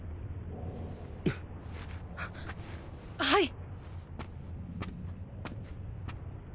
はい！